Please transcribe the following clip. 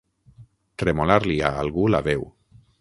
Tremolar-li a algú la veu.